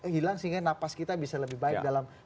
hilang sehingga napas kita bisa lebih baik dalam